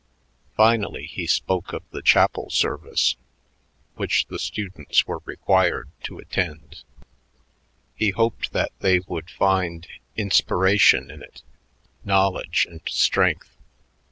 Finally, he spoke of the chapel service, which the students were required to attend. He hoped that they would find inspiration in it, knowledge and strength.